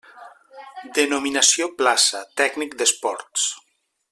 Denominació plaça: tècnic d'esports.